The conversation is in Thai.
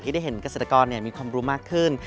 ได้เห็นเกษตรกรมีความรู้มากขึ้น